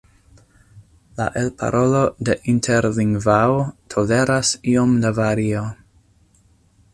La elparolo de interlingvao toleras iom da vario.